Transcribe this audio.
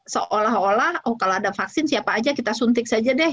seolah olah kalau ada vaksin siapa aja kita suntik saja deh